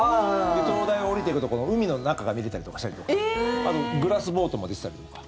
灯台を下りていくと海の中が見れたりとかあとグラスボートも出てたりとか。